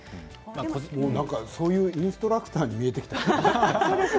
なんか、そういうインストラクターに見えてきた。